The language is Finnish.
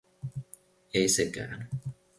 Ei sekään.